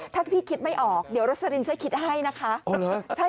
ถ้าพี่คิดไม่ออกเดี๋ยวโรสลินช่วยคิดให้นะคะใช่ค่ะนะครับถามเปลี่ยน